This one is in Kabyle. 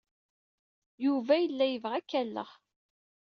Yuba yella yebɣa ad k-alleɣ.